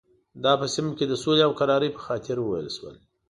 دا په سیمه کې د سولې او کرارۍ په خاطر وویل شول.